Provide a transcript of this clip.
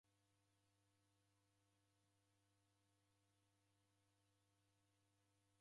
W'udoi kwa kunyaghiria ndoe nigho ghwachurikia.